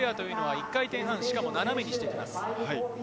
１回転半を斜めにしてきます。